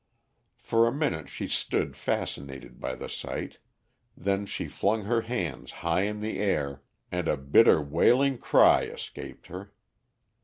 For a minute she stood fascinated by the sight, then she flung her hands high in the air, and a bitter wailing cry escaped her.